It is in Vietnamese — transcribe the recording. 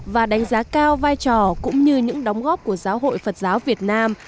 và đánh giá cao vai trò cũng như những đóng góp của giáo hội phật giáo việt nam